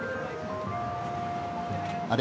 あれ？